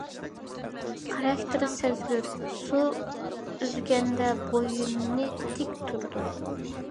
خاراكتېرى سەزگۈر، سۇ ئۈزگەندە بوينى تىك تۇرىدۇ.